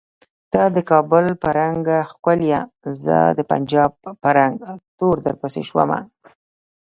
ته د کابل په رنګه ښکولیه زه د پنجاب په رنګ تور درپسې شومه